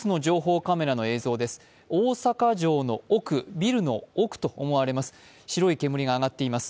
ビルの奥と思われます。